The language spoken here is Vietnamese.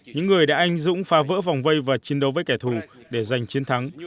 những người đã anh dũng phá vỡ vòng vây và chiến đấu với kẻ thù để giành chiến thắng